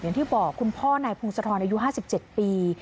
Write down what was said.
อย่างที่บอกคุณพ่อนายพงศธรอายุ๕๗ปี